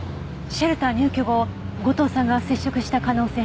シェルター入居後後藤さんが接触した可能性は？